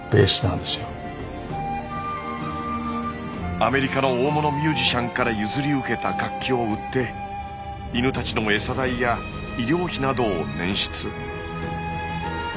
アメリカの大物ミュージシャンから譲り受けた楽器を売って犬たちの餌代や医療費などを捻出。